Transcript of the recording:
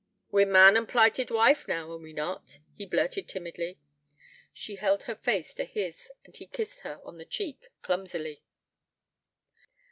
'We're man an' wife plighted now, are we not?' he blurted timidly. She held her face to his, and he kissed her on the cheek, clumsily.